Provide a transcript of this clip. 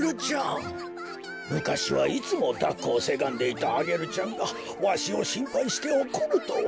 こころのこえむかしはいつもだっこをせがんでいたアゲルちゃんがわしをしんぱいしておこるとは。